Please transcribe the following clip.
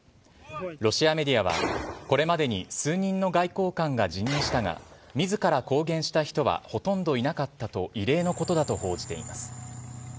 ロシアメディアは、これまでに数人の外交官が辞任したが、みずから公言した人はほとんどいなかったと異例のことだと報じています。